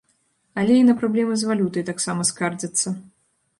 Але і на праблемы з валютай таксама скардзяцца.